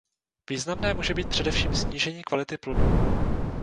Významné může být především snížení kvality plodů.